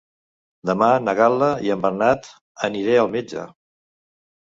Demà na Gal·la i en Bernat aniré al metge.